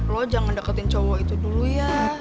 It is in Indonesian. lo jangan deketin cowok itu dulu ya